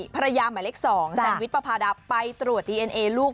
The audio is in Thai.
ภรรยาหมายเล็ก๒แซนวิทปะพาดัไปตรวจดีเอ็นเอลูก